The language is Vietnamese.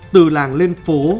từ làng lên phố